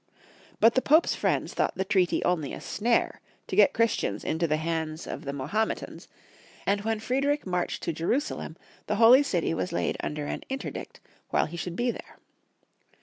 But the Pope's friends thought the treaty only a snare to get Christians into the hands of the Mahometans, and when Friedrich marched to Jerusalem, the Holy City was laid under an interdict wliile he should be there.